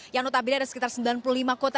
yang notabene ada sekitar sembilan puluh lima kota